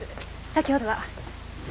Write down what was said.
先ほどは。